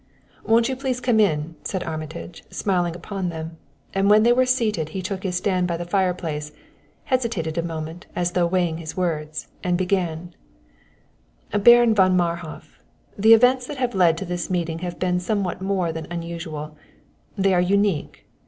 "Won't you please come in?" said Armitage, smiling upon them, and when they were seated he took his stand by the fireplace, hesitated a moment, as though weighing his words, and began: "Baron von Marhof, the events that have led to this meeting have been somewhat more than unusual they are unique.